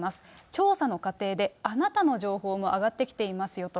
調査の過程で、あなたの情報も挙がってきていますよと。